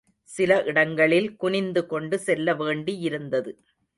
சில இடங்களில் குனிந்துகொண்டு செல்ல வேண்டியிருந்தது.